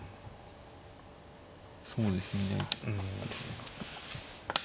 そうですね。